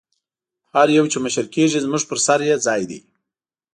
هر یو چې مشر کېږي زموږ پر سر یې ځای دی.